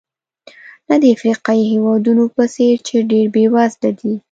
نه د افریقایي هېوادونو په څېر چې ډېر بېوزله دي.